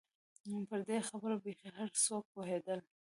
پر دې خبره بېخي هر څوک پوهېدل.